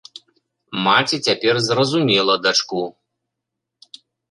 Маці цяпер зразумела дачку.